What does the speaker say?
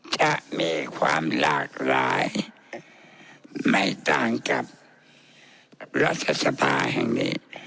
จะมีความหลากหลายไม่ต่างกับรัฐสภาแห่งนี้